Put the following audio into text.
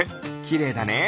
きれいだね！